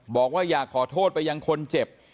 บอกว่าอยากขอโทษไปยังคนเจ็บ